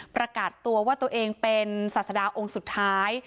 ประกาศตัวว่าตัวเองเป็นศาสดาองค์สุดท้าย